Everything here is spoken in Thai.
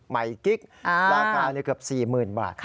กิ๊กราคาเกือบ๔๐๐๐บาท